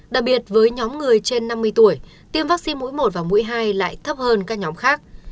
đặc biệt với nhóm người trên năm mươi tuổi tiêm vaccine mũi một và mũi hai lại thấp hơn các nhóm khác